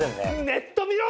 ネット見ろ！